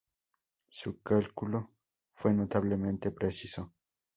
Su cálculo fue notablemente preciso.